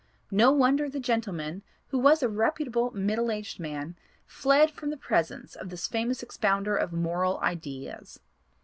No wonder the gentleman, who was a reputable middle aged man, fled from the presence of this famous expounder of 'Moral Ideas.'